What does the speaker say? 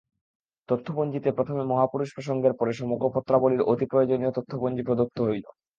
তথ্যপঞ্জীতে প্রথমে মহাপুরুষ-প্রসঙ্গের পরে সমগ্র পত্রাবলীর অতি প্রয়োজনীয় তথ্যপঞ্জী প্রদত্ত হইল।